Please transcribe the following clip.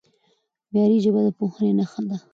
معیاري ژبه د پوهې نښه ده.